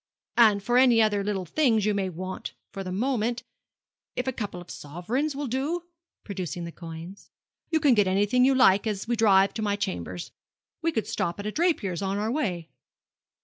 And for any other little things you may want for the moment, if a couple of sovereigns will do' producing those coins 'you can get anything you like as we drive to my chambers. We could stop at a draper's on our way.'